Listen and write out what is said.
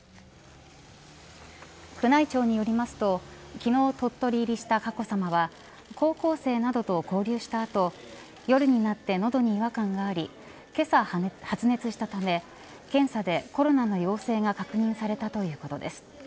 宮内庁によりますと昨日、鳥取入りした佳子さまは高校生などと交流した後夜になって喉に違和感がありけさ発熱したため検査でコロナの陽性が確認されたということです。